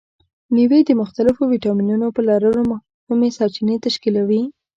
مېوې د مختلفو ویټامینونو په لرلو مهمې سرچینې تشکیلوي.